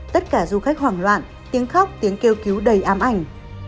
tất cả du khách hoảng loạn tiếng khóc tiếng kêu cứu đầy ám ảnh